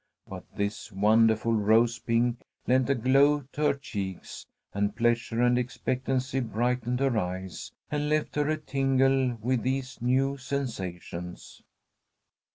But this wonderful rose pink lent a glow to her cheeks, and pleasure and expectancy brightened her eyes, and left her a tingle with these new sensations.